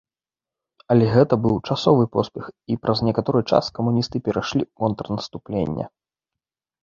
Але гэта быў часовы поспех і праз некаторы час камуністы перайшлі ў контрнаступленне.